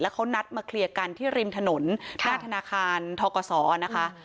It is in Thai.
แล้วเขานัดมาเคลียร์กันที่ริมถนนค่ะนาธนาคารท้อกสนะคะ